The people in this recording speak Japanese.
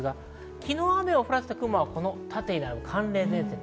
昨日、雨を降らせた雲はこの縦になる寒冷前線。